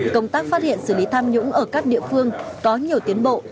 công tác phát hiện xử lý tham nhũng ở các địa phương có nhiều tiến bộ